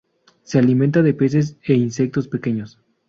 Se alimenta de peces e insectos pequeños.